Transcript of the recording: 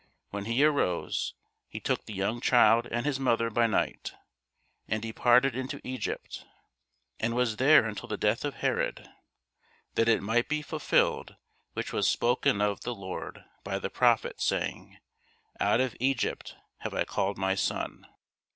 When he arose, he took the young child and his mother by night, and departed into Egypt: and was there until the death of Herod: that it might be fulfilled which was spoken of the Lord by the prophet, saying, Out of Egypt have I called my son.